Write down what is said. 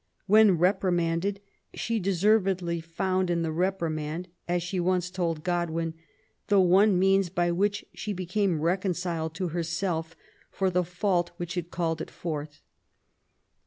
When reprimanded, she deservedly found in the reprimand^ as she once told Godwin, the one means by which she became reconciled to herself for the fault which had called it forth.